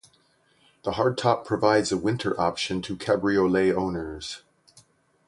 The hardtop provides a winter option to cabriolet owners.